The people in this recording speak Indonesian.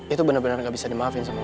itu bener bener gak bisa dimaafin sama wuri